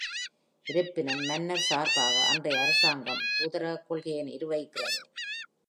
இருப்பினும், மன்னர் சார்பாக, அன்றைய அரசாங்கம் தூதரக்க் கொள்கையை நிருவகிக்கிறது.